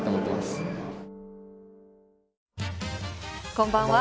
こんばんは。